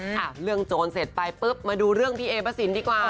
ค่ะเรื่องโจรเสร็จไปปุ๊บมาดูเรื่องพี่เอพระสินดีกว่า